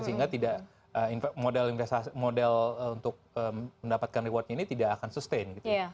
sehingga tidak model untuk mendapatkan reward ini tidak akan sustain gitu